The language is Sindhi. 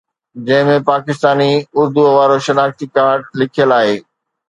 جنهن ۾ پاڪستاني اردوءَ وارو شناختي ڪارڊ لکيل آهي